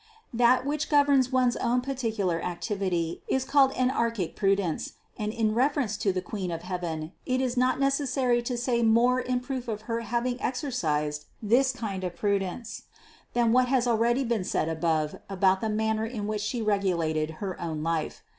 That 420 CITY OF GOD which governs one's own particular activity is called enarchic prudence, and in reference to the Queen of heaven, it is not necessary to say more in proof of her having exercised this kind of prudence, than what has al ready been said above about the manner in which She regulated her own life.